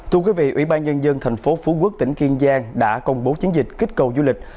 thưa quý vị ủy ban nhân dân tp hcm tỉnh kiên giang đã công bố chiến dịch kích cầu du lịch